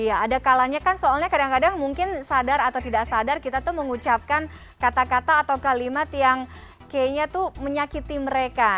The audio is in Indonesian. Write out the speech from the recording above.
iya ada kalanya kan soalnya kadang kadang mungkin sadar atau tidak sadar kita tuh mengucapkan kata kata atau kalimat yang kayaknya tuh menyakiti mereka